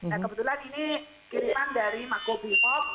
nah kebetulan ini kiriman dari mako bimob